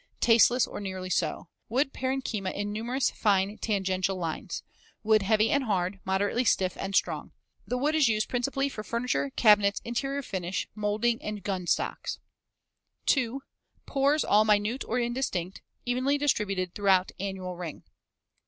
Tasteless or nearly so. Wood parenchyma in numerous, fine tangential lines. Wood heavy and hard, moderately stiff and strong. The wood is used principally for furniture, cabinets, interior finish, moulding, and gun stocks. 2. Pores all minute or indistinct, evenly distributed throughout annual ring.